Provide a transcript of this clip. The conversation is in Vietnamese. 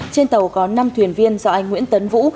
trên tàu có năm thuyền viên do anh nguyễn tấn vũ